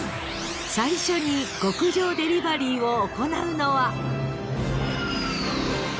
［最初に極上デリバリーを行うのは］